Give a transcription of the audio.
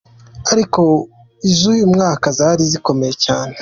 Ariko iz’uyu mwaka zari zikomeye cyane.